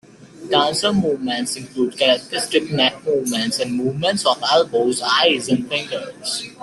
Dancers' movements include characteristic neck movements, and movements of elbows, eyes and fingers.